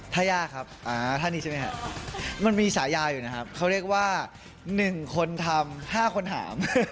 ท่ายากครับท่านี้ใช่ไหมครับมันมีฉายาอยู่นะครับเขาเรียกว่า๑คนทำ๕คนหาม